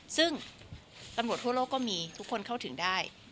ซึ่งตำรวจทั่วโลกก็มีทุกคนเข้าถึงได้